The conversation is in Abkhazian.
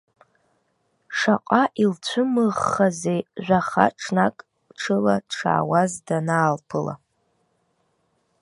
Шаҟа илцәымӷхазеи, жәаха ҽнак ҽыла дшаауаз данаалԥыла.